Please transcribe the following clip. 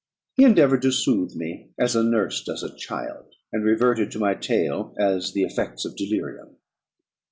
He endeavoured to soothe me as a nurse does a child, and reverted to my tale as the effects of delirium.